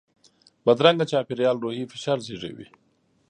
بدرنګه چاپېریال روحي فشار زیږوي